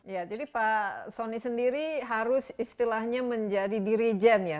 ya jadi pak sony sendiri harus istilahnya menjadi dirijen ya